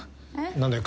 何だよ